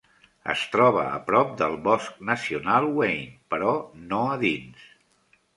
Es troba a prop del Bosc Nacional Wayne, però no a dins.